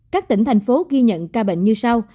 các tỉnh thành phố ghi nhận ca bệnh như sau